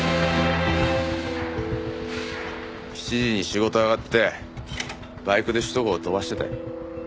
７時に仕事上がってバイクで首都高を飛ばしてたよ。